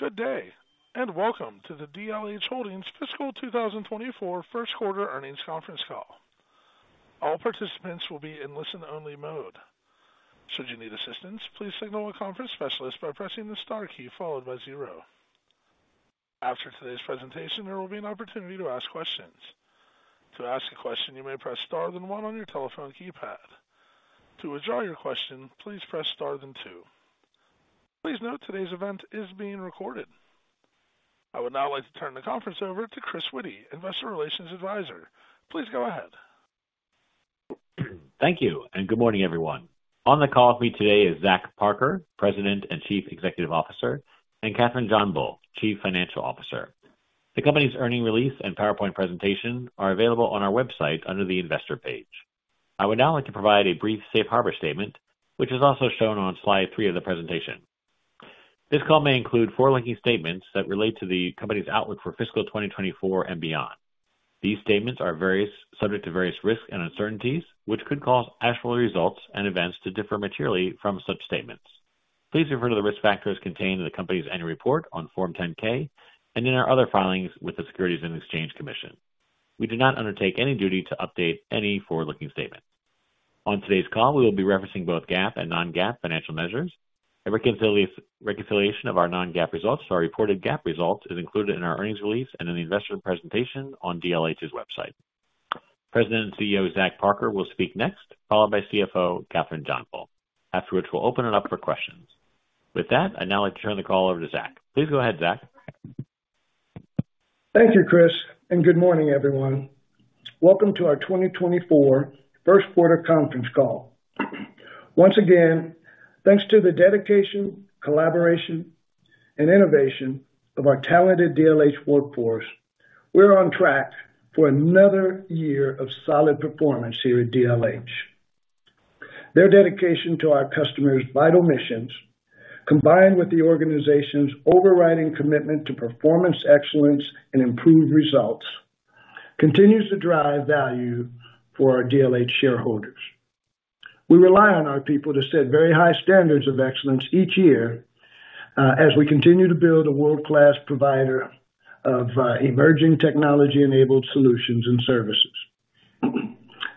Good day, and welcome to the DLH Holdings Fiscal 2024 First Quarter Earnings Conference Call. All participants will be in listen-only mode. Should you need assistance, please signal a conference specialist by pressing the star key followed by zero. After today's presentation, there will be an opportunity to ask questions. To ask a question, you may press star then one on your telephone keypad. To withdraw your question, please press star then two. Please note today's event is being recorded. I would now like to turn the conference over to Chris Witty, investor relations advisor. Please go ahead. Thank you, and good morning, everyone. On the call with me today is Zach Parker, President and Chief Executive Officer, and Kathryn JohnBull, Chief Financial Officer. The company's earnings release and PowerPoint presentation are available on our website under the investor page. I would now like to provide a brief safe harbor statement, which is also shown on slide three of the presentation. This call may include forward-looking statements that relate to the company's outlook for fiscal 2024 and beyond. These statements are subject to various risks and uncertainties, which could cause actual results and events to differ materially from such statements. Please refer to the risk factors contained in the company's annual report on Form 10-K and in our other filings with the Securities and Exchange Commission. We do not undertake any duty to update any forward-looking statement. On today's call, we will be referencing both GAAP and non-GAAP financial measures. A reconciliation of our non-GAAP results to our reported GAAP results is included in our earnings release and in the investment presentation on DLH's website. President and CEO, Zach Parker, will speak next, followed by CFO, Kathryn JohnBull. Afterwards, we'll open it up for questions. With that, I'd now like to turn the call over to Zach. Please go ahead, Zach. Thank you, Chris, and good morning, everyone. Welcome to our 2024 first quarter conference call. Once again, thanks to the dedication, collaboration, and innovation of our talented DLH workforce, we're on track for another year of solid performance here at DLH. Their dedication to our customers' vital missions, combined with the organization's overriding commitment to performance, excellence, and improved results, continues to drive value for our DLH shareholders. We rely on our people to set very high standards of excellence each year, as we continue to build a world-class provider of emerging technology-enabled solutions and services.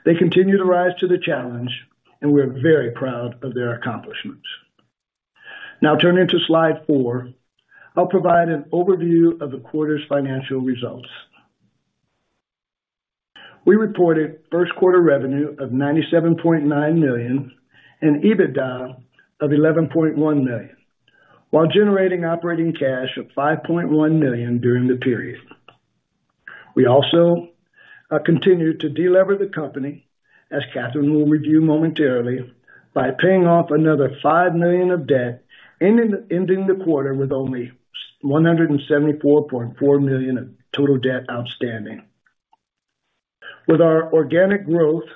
They continue to rise to the challenge, and we're very proud of their accomplishments. Now, turning to slide four, I'll provide an overview of the quarter's financial results. We reported first quarter revenue of $97.9 million and EBITDA of $11.1 million, while generating operating cash of $5.1 million during the period. We also continued to delever the company, as Kathryn will review momentarily, by paying off another $5 million of debt, ending the quarter with only $174.4 million of total debt outstanding. With our organic growth,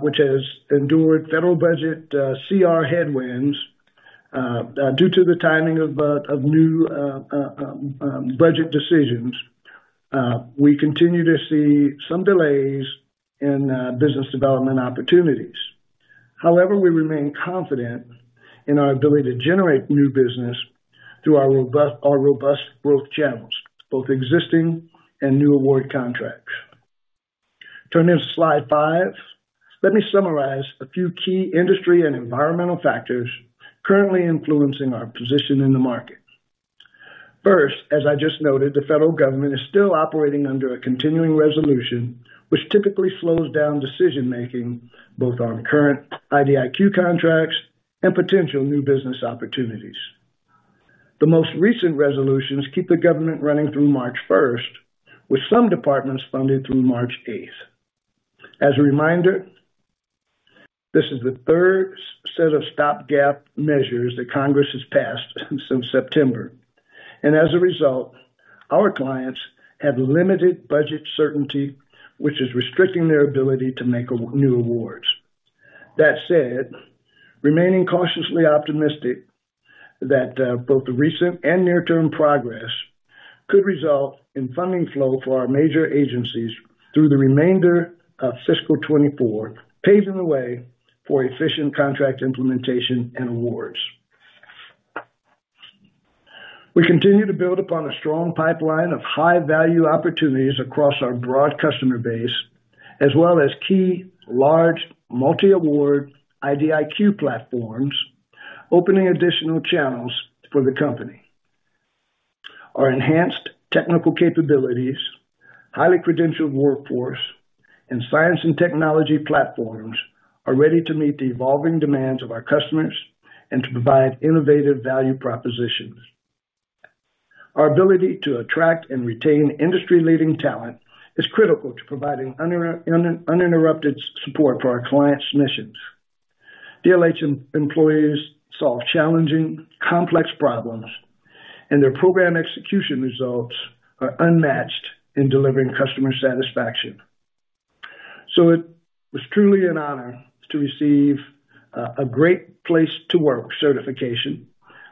which has endured federal budget CR headwinds due to the timing of new budget decisions, we continue to see some delays in business development opportunities. However, we remain confident in our ability to generate new business through our robust growth channels, both existing and new award contracts. Turning to slide five, let me summarize a few key industry and environmental factors currently influencing our position in the market. First, as I just noted, the federal government is still operating under a continuing resolution, which typically slows down decision-making, both on current IDIQ contracts and potential new business opportunities. The most recent resolutions keep the government running through March first, with some departments funded through March 8th. As a reminder, this is the third set of stopgap measures that Congress has passed since September, and as a result, our clients have limited budget certainty, which is restricting their ability to make new awards. That said, remaining cautiously optimistic that both the recent and near-term progress could result in funding flow for our major agencies through the remainder of fiscal 2024, paving the way for efficient contract implementation and awards. We continue to build upon a strong pipeline of high-value opportunities across our broad customer base, as well as key large multi-award IDIQ platforms, opening additional channels for the company. Our enhanced technical capabilities, highly credentialed workforce, and science and technology platforms are ready to meet the evolving demands of our customers and to provide innovative value propositions. Our ability to attract and retain industry-leading talent is critical to providing uninterrupted support for our clients' missions. DLH employees solve challenging, complex problems, and their program execution results are unmatched in delivering customer satisfaction. So it was truly an honor to receive a Great Place to Work certification,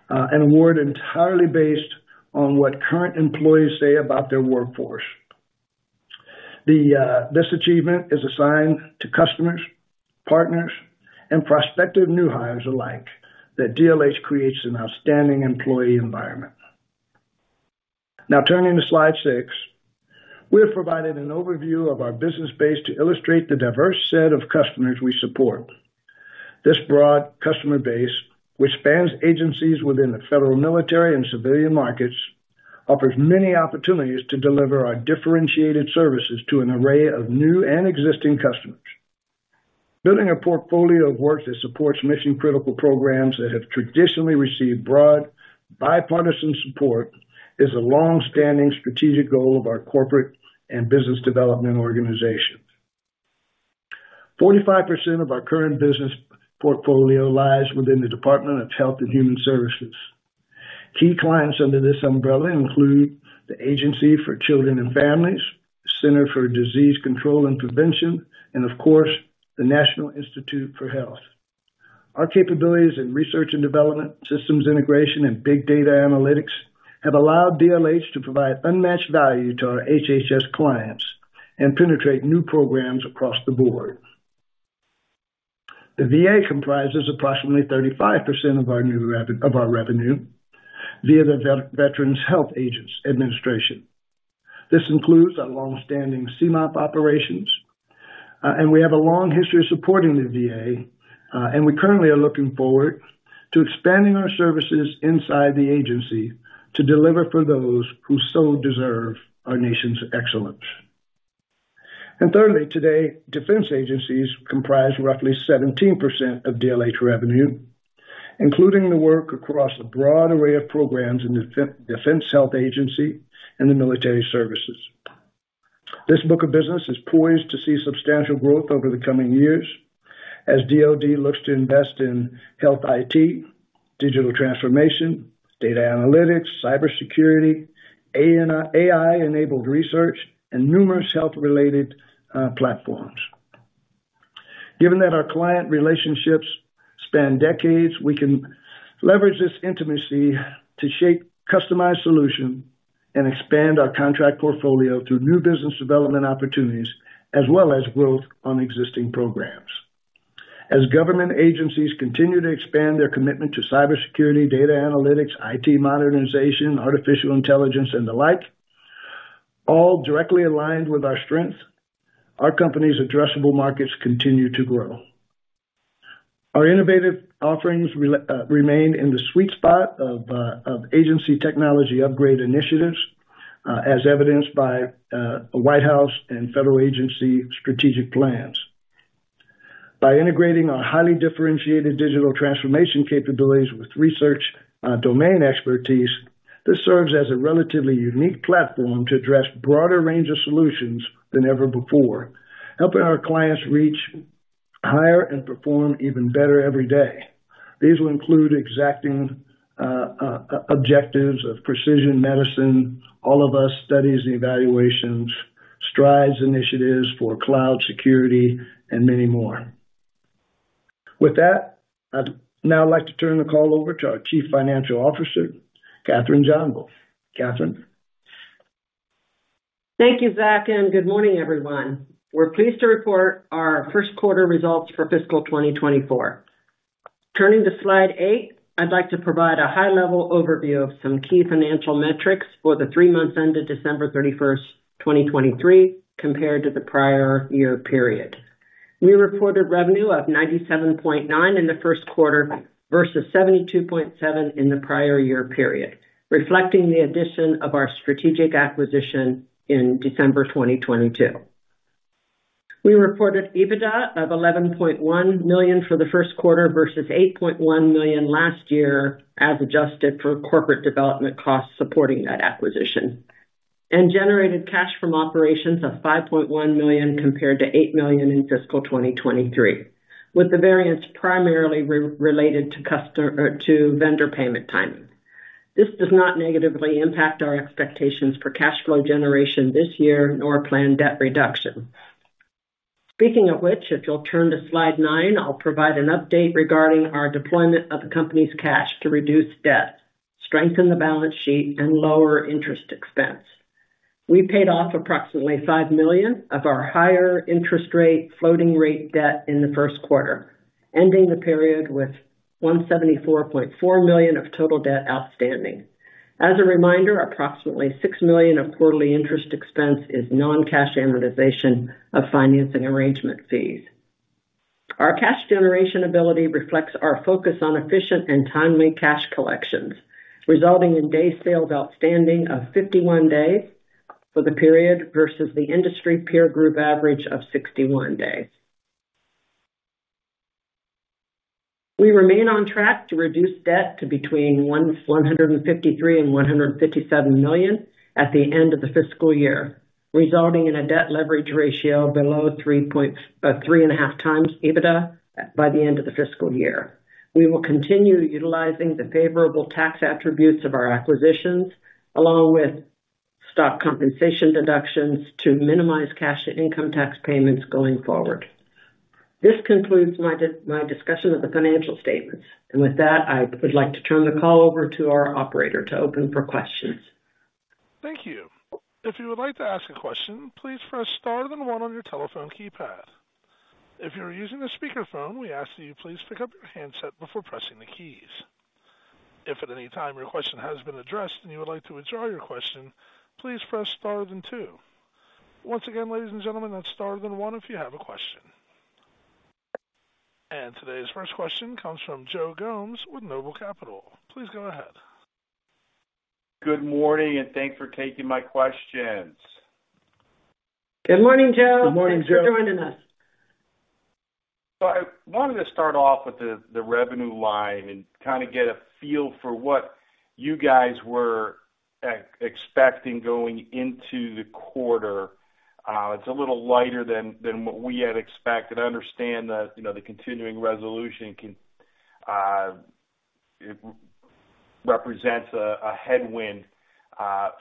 an award entirely based on what current employees say about their workforce. This achievement is a sign to customers, partners, and prospective new hires alike that DLH creates an outstanding employee environment. Now turning to slide six, we have provided an overview of our business base to illustrate the diverse set of customers we support. This broad customer base, which spans agencies within the federal, military, and civilian markets, offers many opportunities to deliver our differentiated services to an array of new and existing customers. Building a portfolio of work that supports mission-critical programs that have traditionally received broad bipartisan support is a long-standing strategic goal of our corporate and business development organization. 45% of our current business portfolio lies within the Department of Health and Human Services. Key clients under this umbrella include the Administration for Children and Families, Centers for Disease Control and Prevention, and of course, the National Institutes of Health. Our capabilities in research and development, systems integration, and big data analytics have allowed DLH to provide unmatched value to our HHS clients and penetrate new programs across the board. The VA comprises approximately 35% of our revenue via the Veterans Health Administration. This includes our long-standing CMOP operations, and we have a long history of supporting the VA, and we currently are looking forward to expanding our services inside the agency to deliver for those who so deserve our nation's excellence. And thirdly, today, defense agencies comprise roughly 17% of DLH revenue, including the work across a broad array of programs in Defense Health Agency and the military services. This book of business is poised to see substantial growth over the coming years as DOD looks to invest in health IT, digital transformation, data analytics, cybersecurity, and AI-enabled research, and numerous health-related platforms. Given that our client relationships span decades, we can leverage this intimacy to shape customized solutions and expand our contract portfolio through new business development opportunities, as well as growth on existing programs. As government agencies continue to expand their commitment to cybersecurity, data analytics, IT modernization, artificial intelligence, and the like, all directly aligned with our strength, our company's addressable markets continue to grow. Our innovative offerings remain in the sweet spot of agency technology upgrade initiatives, as evidenced by the White House and federal agency strategic plans. By integrating our highly differentiated digital transformation capabilities with research, domain expertise, this serves as a relatively unique platform to address broader range of solutions than ever before, helping our clients reach higher and perform even better every day. These will include exacting objectives of precision medicine, All of Us studies and evaluations, STRIDES, initiatives for cloud security, and many more. With that, I'd now like to turn the call over to our Chief Financial Officer, Kathryn JohnBull. Kathryn? Thank you, Zach, and good morning, everyone. We're pleased to report our first quarter results for fiscal 2024. Turning to slide eight, I'd like to provide a high-level overview of some key financial metrics for the three months ended December 31, 2023, compared to the prior year period. We reported revenue of $97.9 million in the first quarter versus $72.7 million in the prior year period, reflecting the addition of our strategic acquisition in December 2022. We reported EBITDA of $11.1 million for the first quarter versus $8.1 million last year, as adjusted for corporate development costs supporting that acquisition, and generated cash from operations of $5.1 million compared to $8 million in fiscal 2023, with the variance primarily related to customer to vendor payment timing. This does not negatively impact our expectations for cash flow generation this year, nor planned debt reduction. Speaking of which, if you'll turn to slide nine, I'll provide an update regarding our deployment of the company's cash to reduce debt, strengthen the balance sheet, and lower interest expense. We paid off approximately $5 million of our higher interest rate, floating rate debt in the first quarter, ending the period with $174.4 million of total debt outstanding. As a reminder, approximately $6 million of quarterly interest expense is non-cash amortization of financing arrangement fees. Our cash generation ability reflects our focus on efficient and timely cash collections, resulting in days sales outstanding of 51 days for the period versus the industry peer group average of 61 days. We remain on track to reduce debt to between $153 million and $157 million at the end of the fiscal year, resulting in a debt leverage ratio of below 3.5x EBITDA by the end of the fiscal year. We will continue utilizing the favorable tax attributes of our acquisitions, along with stock compensation deductions, to minimize cash and income tax payments going forward.... This concludes my discussion of the financial statements. And with that, I would like to turn the call over to our operator to open for questions. Thank you. If you would like to ask a question, please press star then one on your telephone keypad. If you're using a speakerphone, we ask that you please pick up your handset before pressing the keys. If at any time your question has been addressed and you would like to withdraw your question, please press star then two. Once again, ladies and gentlemen, that's star then one if you have a question. Today's first question comes from Joe Gomes with Noble Capital. Please go ahead. Good morning, and thanks for taking my questions. Good morning, Joe. Good morning, Joe. Thanks for joining us. So I wanted to start off with the revenue line and kind of get a feel for what you guys were expecting going into the quarter. It's a little lighter than what we had expected. I understand that, you know, the continuing resolution can, it represents a headwind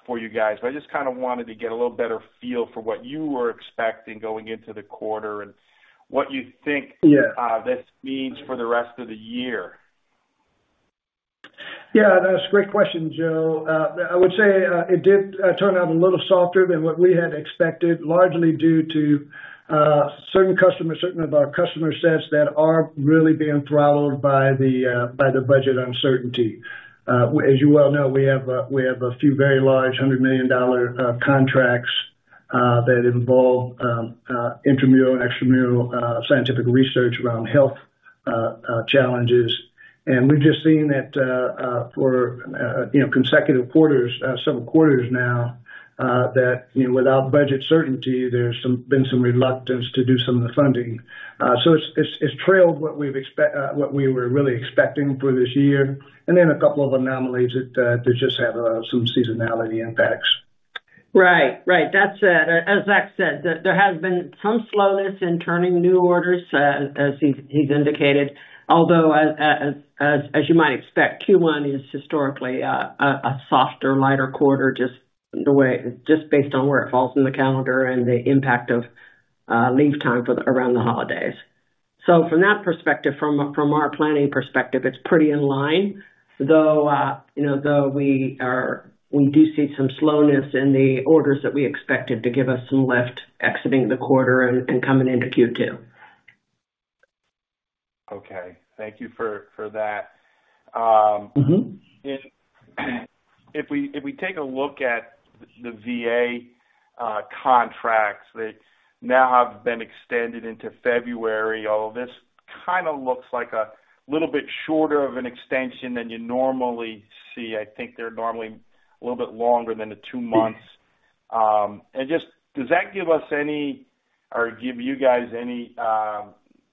for you guys. But I just kind of wanted to get a little better feel for what you were expecting going into the quarter and what you think- Yeah. This means for the rest of the year. Yeah, that's a great question, Joe. I would say it did turn out a little softer than what we had expected, largely due to certain customers, certain of our customer sets that are really being throttled by the budget uncertainty. As you well know, we have a few very large $100 million contracts that involve intramural and extramural scientific research around health challenges. And we've just seen that for you know, consecutive quarters, several quarters now, that you know, without budget certainty, there's been some reluctance to do some of the funding. So it's trailed what we were really expecting for this year. And then a couple of anomalies that just have some seasonality impacts. Right. Right. That said, as Zach said, there has been some slowness in turning new orders, as he's indicated, although, as you might expect, Q1 is historically a softer, lighter quarter, just the way, just based on where it falls in the calendar and the impact of leave time around the holidays. So from that perspective, from our planning perspective, it's pretty in line, though, you know, though we are, we do see some slowness in the orders that we expected to give us some lift exiting the quarter and coming into Q2. Okay, thank you for that. Mm-hmm. If we take a look at the VA contracts that now have been extended into February, although this kind of looks like a little bit shorter of an extension than you normally see. I think they're normally a little bit longer than the two months. And just does that give us any or give you guys any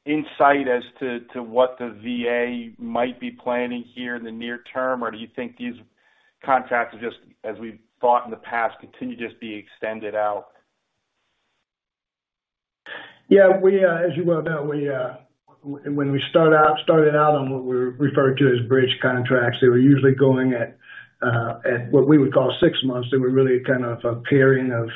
insight as to what the VA might be planning here in the near term? Or do you think these contracts are just as we've thought in the past, continue to just be extended out? Yeah, we, as you well know, we, when we start out- started out on what we referred to as bridge contracts, they were usually going at, at what we would call six months. They were really kind of a pairing of,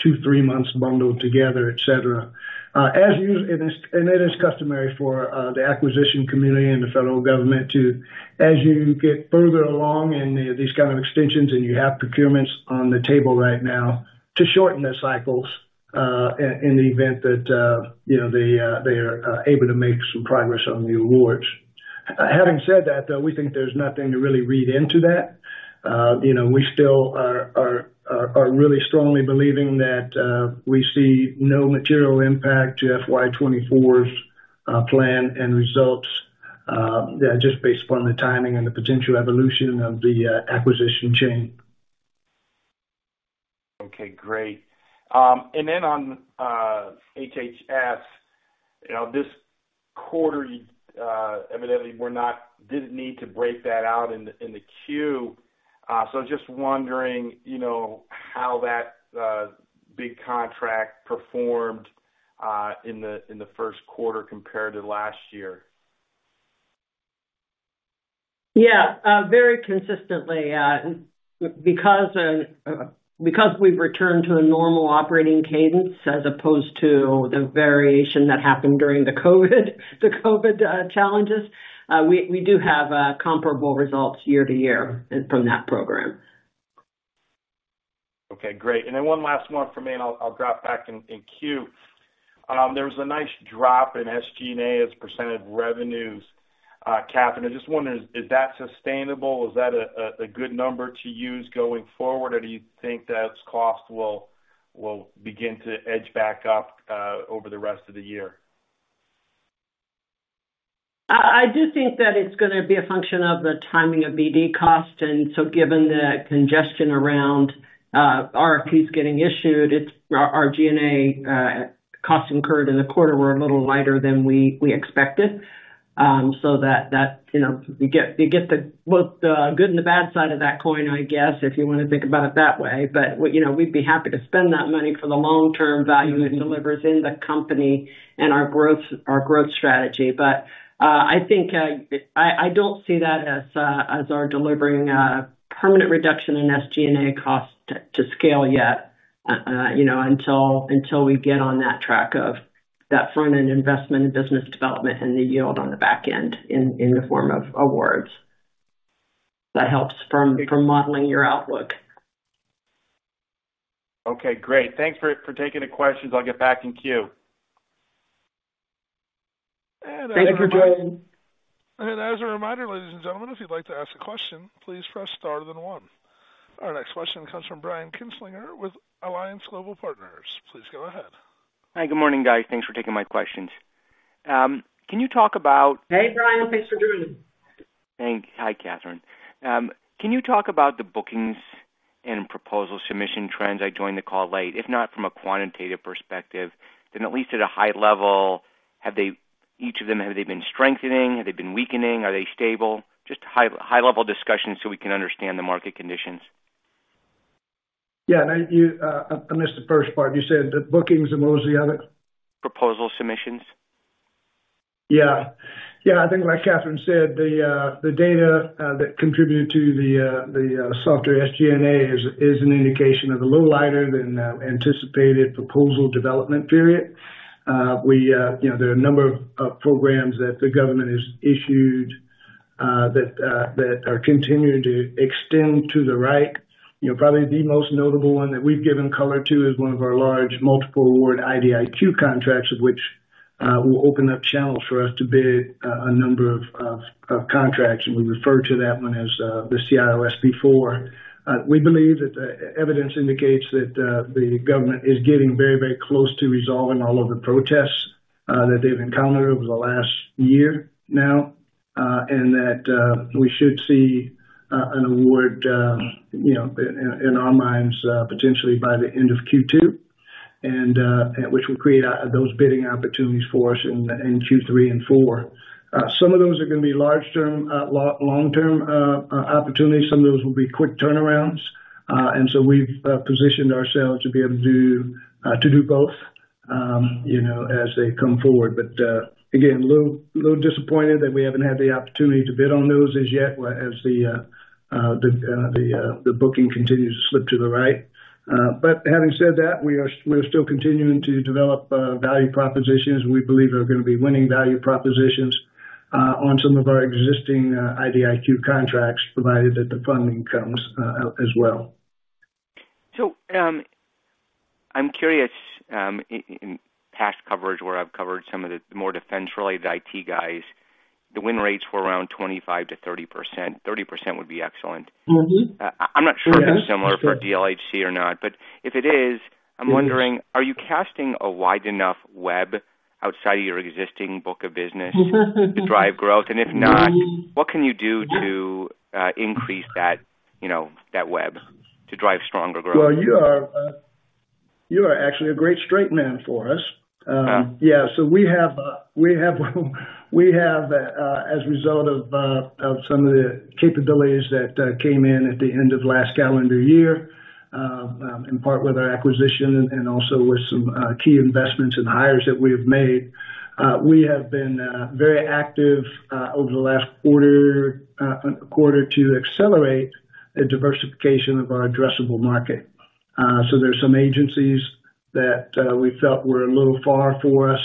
two, three months bundled together, et cetera. As usual, and it, and it is customary for, the acquisition community and the federal government to, as you get further along in these kind of extensions and you have procurements on the table right now, to shorten their cycles, in, in the event that, you know, they, they are, able to make some progress on the awards. Having said that, though, we think there's nothing to really read into that. You know, we still are really strongly believing that we see no material impact to FY 2024's plan and results, just based upon the timing and the potential evolution of the acquisition chain. Okay, great. And then on HHS, you know, this quarter, evidently didn't need to break that out in the Q. So just wondering, you know, how that big contract performed in the first quarter compared to last year. Yeah, very consistently, because we've returned to a normal operating cadence as opposed to the variation that happened during the COVID challenges, we do have comparable results year-to-year from that program. Okay, great. And then one last one from me, and I'll drop back in queue. There was a nice drop in SG&A as a percentage of revenues, and I just wondered: Is that sustainable? Is that a good number to use going forward, or do you think that cost will begin to edge back up over the rest of the year? I do think that it's gonna be a function of the timing of BD costs, and so given the congestion around RFPs getting issued, it's our G&A costs incurred in the quarter were a little lighter than we expected. So that, you know, you get the good and the bad side of that coin, I guess, if you want to think about it that way. But, you know, we'd be happy to spend that money for the long-term value it delivers in the company and our growth strategy. But, I think, I don't see that as our delivering a permanent reduction in SG&A costs to scale yet.... you know, until we get on that track of that front-end investment in business development and the yield on the back end in the form of awards. That helps from modeling your outlook. Okay, great. Thanks for taking the questions. I'll get back in queue. Thank you for joining. As a reminder, ladies and gentlemen, if you'd like to ask a question, please press star then one. Our next question comes from Brian Kinstlinger with Alliance Global Partners. Please go ahead. Hi, good morning, guys. Thanks for taking my questions. Can you talk about- Hey, Brian. Thanks for joining. Thanks. Hi, Kathryn. Can you talk about the bookings and proposal submission trends? I joined the call late. If not from a quantitative perspective, then at least at a high level, have they, each of them, have they been strengthening? Have they been weakening? Are they stable? Just high-level discussion so we can understand the market conditions. Yeah, now you, I missed the first part. You said the bookings and most of the other? Proposal submissions. Yeah. Yeah, I think like Kathryn said, the data that contributed to the softer SG&A is an indication of a little lighter than anticipated proposal development period. You know, there are a number of programs that the government has issued that are continuing to extend to the right. You know, probably the most notable one that we've given color to is one of our large multiple award IDIQ contracts, of which will open up channels for us to bid a number of contracts, and we refer to that one as the CIO-SP4. We believe that the evidence indicates that the government is getting very, very close to resolving all of the protests that they've encountered over the last year now, and that we should see an award, you know, in our minds, potentially by the end of Q2, and which will create those bidding opportunities for us in Q3 and Q4. Some of those are gonna be long-term opportunities. Some of those will be quick turnarounds. So we've positioned ourselves to be able to do both, you know, as they come forward. But again, a little disappointed that we haven't had the opportunity to bid on those as yet, as the booking continues to slip to the right. But having said that, we're still continuing to develop value propositions we believe are gonna be winning value propositions on some of our existing IDIQ contracts, provided that the funding comes as well. So, I'm curious, in past coverage, where I've covered some of the more defense-related IT guys, the win rates were around 25%-30%. 30% would be excellent. Mm-hmm. I'm not sure if it's similar for DLHC or not, but if it is, I'm wondering, are you casting a wide enough web outside of your existing book of business to drive growth? And if not, what can you do to increase that, you know, that web to drive stronger growth? Well, you are, you are actually a great straight man for us. Oh. Yeah, so as a result of some of the capabilities that came in at the end of last calendar year, in part with our acquisition and also with some key investments and hires that we have made, we have been very active over the last quarter to accelerate the diversification of our addressable market. So there's some agencies that we felt were a little far for us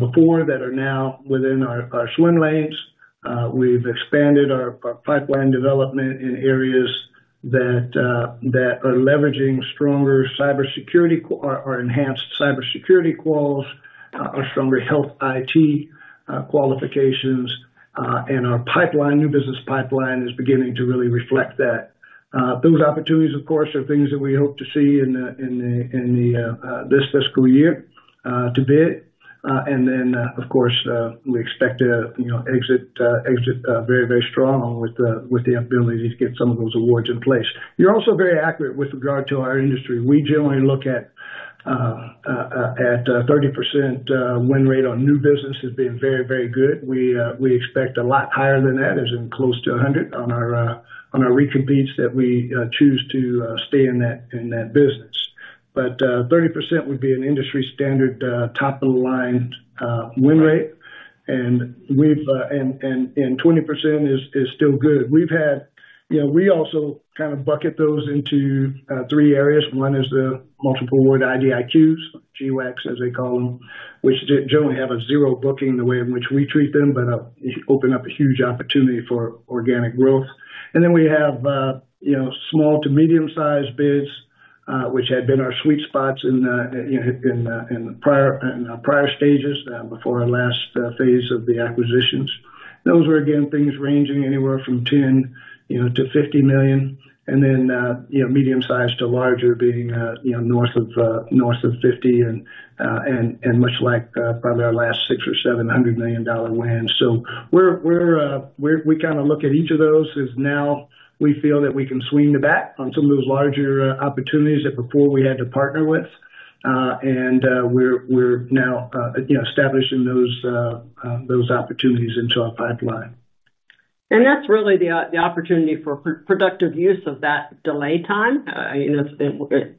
before, that are now within our swim lanes. We've expanded our pipeline development in areas that are leveraging stronger cybersecurity or enhanced cybersecurity quals, or stronger health IT qualifications. And our new business pipeline is beginning to really reflect that. Those opportunities, of course, are things that we hope to see in the this fiscal year to bid. And then, of course, we expect to, you know, exit very, very strong with the ability to get some of those awards in place. You're also very accurate with regard to our industry. We generally look at thirty percent win rate on new business as being very, very good. We expect a lot higher than that, as in close to 100, on our recompetes that we choose to stay in that business. But thirty percent would be an industry standard top-of-the-line win rate. And we've and 20% is still good. We've had... You know, we also kind of bucket those into three areas. One is the multiple award IDIQs, GWACs, as they call them, which generally have a zero booking the way in which we treat them, but open up a huge opportunity for organic growth. And then we have you know, small to medium-sized bids, which had been our sweet spots in the prior stages before our last phase of the acquisitions. Those were, again, things ranging anywhere from $10 million, you know, to $50 million, and then you know, medium-sized to larger being you know, north of $50 million and much like probably our last $600 million or $700 million dollar wins. So we kind of look at each of those as now we feel that we can swing the bat on some of those larger opportunities that before we had to partner with. And we're now, you know, establishing those opportunities into our pipeline.... And that's really the opportunity for productive use of that delay time. You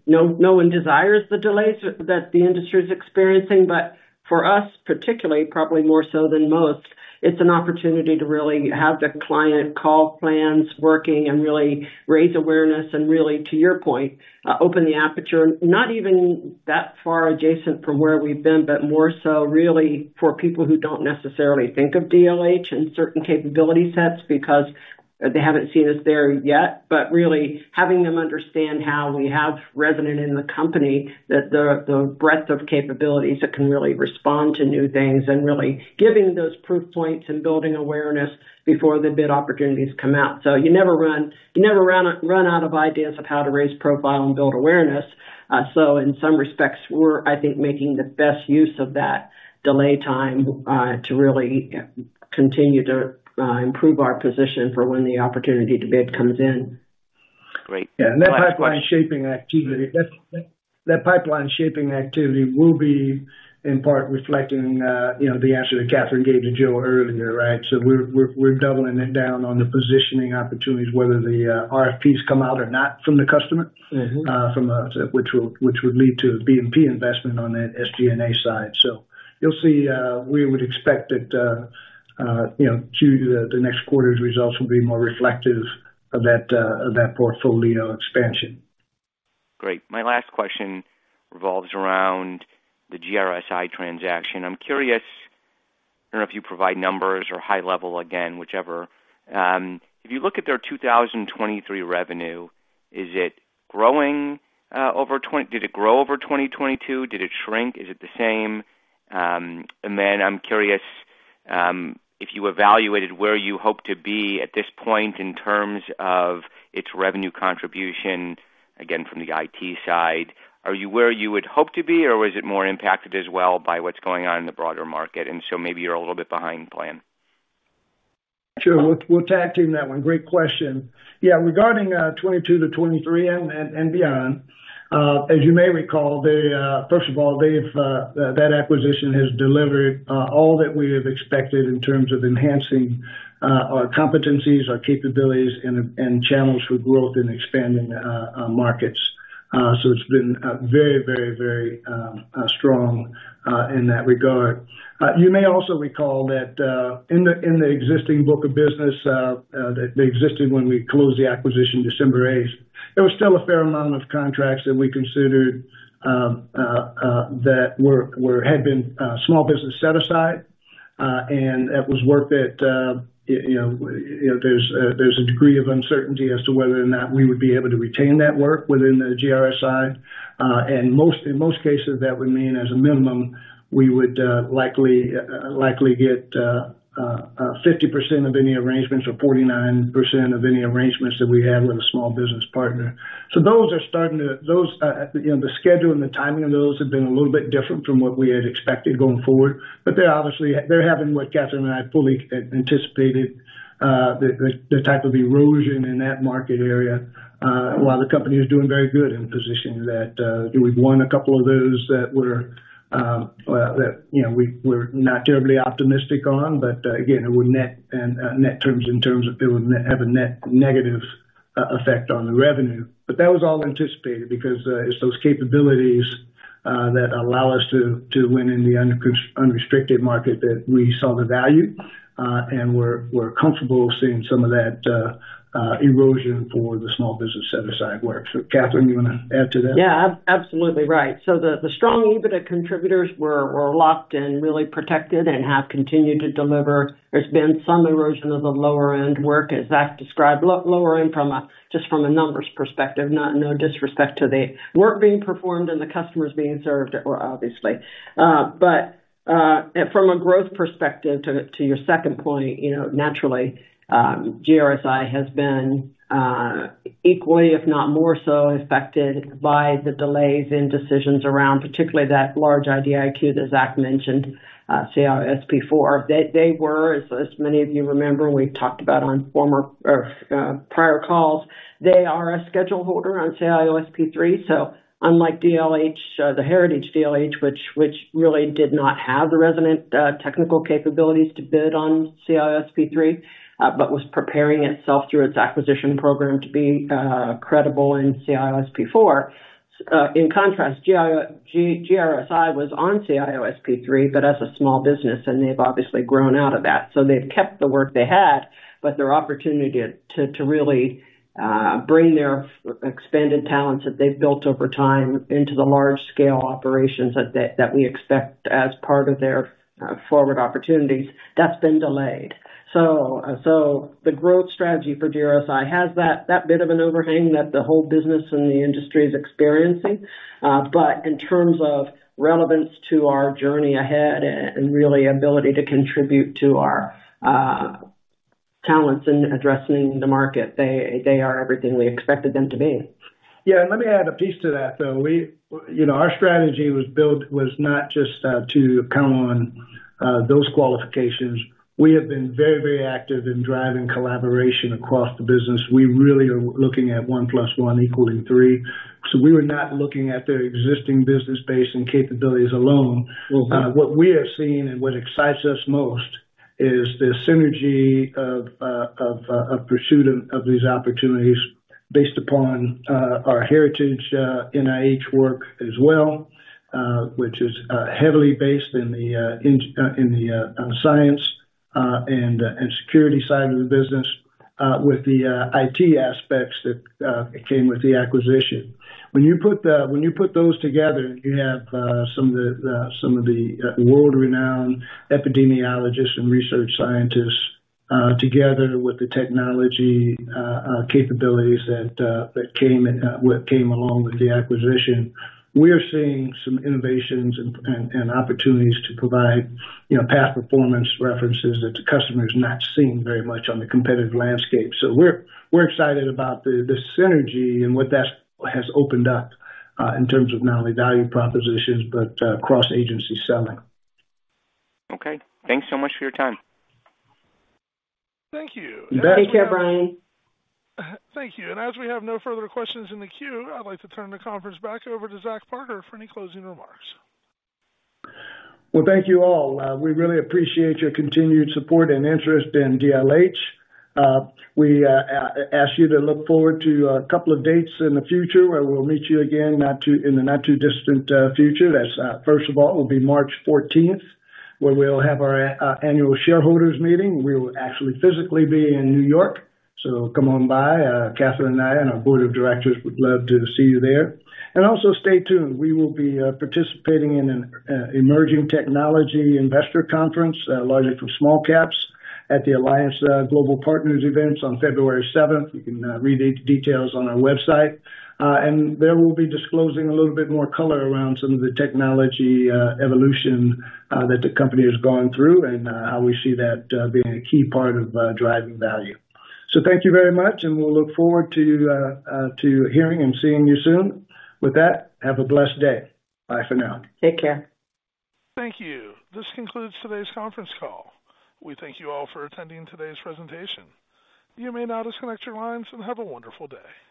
know, no one desires the delays that the industry is experiencing, but for us, particularly, probably more so than most, it's an opportunity to really have the client call plans working and really raise awareness, and really, to your point, open the aperture, not even that far adjacent from where we've been, but more so really for people who don't necessarily think of DLH and certain capability sets because they haven't seen us there yet. But really, having them understand how we have resonance in the company that the, the breadth of capabilities that can really respond to new things, and really giving those proof points and building awareness before the bid opportunities come out. So you never run out of ideas of how to raise profile and build awareness. So in some respects, we're, I think, making the best use of that delay time to really continue to improve our position for when the opportunity to bid comes in. Great. Yeah, and that pipeline shaping activity will be in part reflecting, you know, the answer that Kathryn gave to Joe earlier, right? So we're doubling it down on the positioning opportunities, whether the RFPs come out or not from the customer- Mm-hmm. from which would lead to B&P investment on that SG&A side. So you'll see, we would expect that, you know, the next quarter's results will be more reflective of that, of that portfolio expansion. Great. My last question revolves around the GRSi transaction. I'm curious. I don't know if you provide numbers or high level, again, whichever. If you look at their 2023 revenue, is it growing over 2022? Did it grow over 2022? Did it shrink? Is it the same? And then I'm curious, if you evaluated where you hope to be at this point in terms of its revenue contribution, again, from the IT side, are you where you would hope to be, or is it more impacted as well by what's going on in the broader market, and so maybe you're a little bit behind plan? Sure. We'll, we'll tag team that one. Great question. Yeah, regarding 2022 to 2023 and beyond, as you may recall, first of all, that acquisition has delivered all that we have expected in terms of enhancing our competencies, our capabilities and channels for growth in expanding markets. So it's been very, very, very strong in that regard. You may also recall that, in the existing book of business, that they existed when we closed the acquisition December eighth, there was still a fair amount of contracts that we considered that had been small business set aside, and that was work that, you know, there's a degree of uncertainty as to whether or not we would be able to retain that work within the GRSi. And in most cases, that would mean, as a minimum, we would likely get 50% of any arrangements or 49% of any arrangements that we had with a small business partner. So those are starting to, you know, the schedule and the timing of those have been a little bit different from what we had expected going forward, but they're obviously having what Kathryn and I fully anticipated, the type of erosion in that market area, while the company is doing very good in positioning that, we've won a couple of those that were, you know, we were not terribly optimistic on. But, again, it would net, net terms in terms of it would have a net negative effect on the revenue. But that was all anticipated because it's those capabilities that allow us to win in the unrestricted market that we saw the value, and we're comfortable seeing some of that erosion for the small business set-aside work. So, Kathryn, you want to add to that? Yeah, absolutely right. So the strong EBITDA contributors were locked and really protected and have continued to deliver. There's been some erosion of the lower end work, as Zach described. Lower end from a just from a numbers perspective, not no disrespect to the work being performed and the customers being served, obviously. But from a growth perspective, to your second point, you know, naturally, GRSi has been equally, if not more so, affected by the delays in decisions around particularly that large IDIQ that Zach mentioned, CIO-SP4. They were, as many of you remember, we've talked about on former or prior calls, they are a schedule holder on CIO-SP3. So unlike DLH, the heritage DLH, which really did not have the relevant technical capabilities to bid on CIO-SP3, but was preparing itself through its acquisition program to be credible in CIO-SP4. In contrast, GRSi was on CIO-SP3, but as a small business, and they've obviously grown out of that. So they've kept the work they had, but their opportunity to really bring their expanded talents that they've built over time into the large scale operations that we expect as part of their forward opportunities, that's been delayed. So the growth strategy for GRSi has that bit of an overhang that the whole business and the industry is experiencing. But in terms of relevance to our journey ahead and really ability to contribute to our talents in addressing the market, they are everything we expected them to be. Yeah, let me add a piece to that, though. We, you know, our strategy was built, was not just to count on those qualifications. We have been very, very active in driving collaboration across the business. We really are looking at 1 + 1 equaling 3. So we were not looking at their existing business base and capabilities alone. What we have seen and what excites us most is the synergy of pursuit of these opportunities based upon our heritage, NIH work as well, which is heavily based in the science and security side of the business with the IT aspects that came with the acquisition. When you put those together, you have some of the world-renowned epidemiologists and research scientists together with the technology capabilities that came along with the acquisition. We are seeing some innovations and opportunities to provide, you know, past performance references that the customer is not seeing very much on the competitive landscape. So we're excited about the synergy and what that has opened up in terms of not only value propositions, but cross-agency selling. Okay. Thanks so much for your time. Thank you. Take care, Brian. Thank you. And as we have no further questions in the queue, I'd like to turn the conference back over to Zach Parker for any closing remarks. Well, thank you all. We really appreciate your continued support and interest in DLH. We ask you to look forward to a couple of dates in the future where we'll meet you again, in the not too distant future. That's first of all will be March 14th, where we'll have our annual shareholders meeting. We will actually physically be in New York, so come on by. Kathryn and I and our board of directors would love to see you there. And also stay tuned. We will be participating in an emerging technology investor conference, largely for small caps at the Alliance Global Partners events on February seventh. You can read the details on our website. And there we'll be disclosing a little bit more color around some of the technology evolution that the company has gone through and how we see that being a key part of driving value. So thank you very much, and we'll look forward to hearing and seeing you soon. With that, have a blessed day. Bye for now. Take care. Thank you. This concludes today's conference call. We thank you all for attending today's presentation. You may now disconnect your lines, and have a wonderful day.